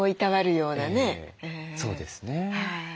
そうですね。